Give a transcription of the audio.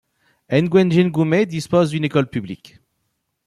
Ngouenjingoumbe dispose d'une école publique.